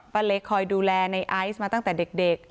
เล็กคอยดูแลในไอซ์มาตั้งแต่เด็ก